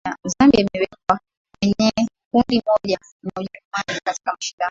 zambia imewekwa kweneye kundi moja na ujerumani katika mashindano